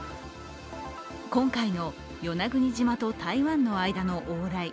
今回の与那国島と台湾の間の往来。